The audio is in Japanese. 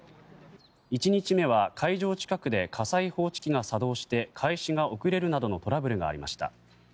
１日目は会場近くで火災報知機が作動して開始が遅れるなどのトラブルがありました。